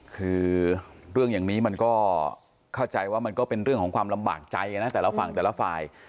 คือเรื่องอย่างนี้มันก็เข้าใจว่ามันก็เป็นเรื่องของความลำบากใจนะแต่ละฝั่งแต่ละฝ่าย